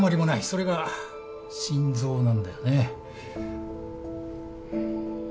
それが心臓なんだよね。